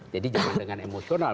jadi jangan dengan emosional